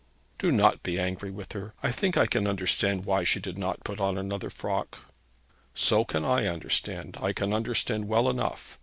'Do not be angry with her. I think I can understand why she did not put on another frock.' 'So can I understand. I can understand well enough.